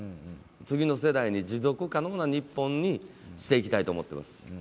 次の世代に持続可能な日本にしていきたいと思います。